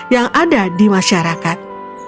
yang ada di masyarakat